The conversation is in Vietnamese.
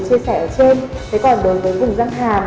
chia sẻ ở trên thế còn đối với vùng dân hàm